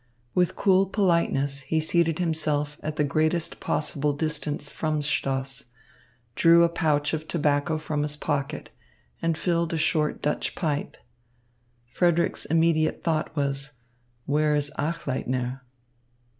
With cool politeness he seated himself at the greatest possible distance from Stoss, drew a pouch of tobacco from his pocket, and filled a short Dutch pipe. Frederick's immediate thought was, "Where is Achleitner?"